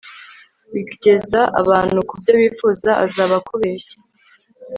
bigeza abantu ku byo bifuza azaba akubeshye